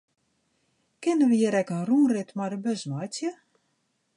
Kinne wy hjir ek in rûnrit mei de bus meitsje?